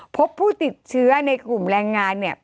พบผู้ติดเชื้อในกลุ่มแรงงานเนี่ย